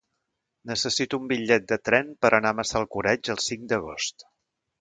Necessito un bitllet de tren per anar a Massalcoreig el cinc d'agost.